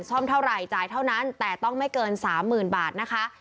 เท่าไหร่จ่ายเท่านั้นแต่ต้องไม่เกิน๓๐๐๐บาทนะคะ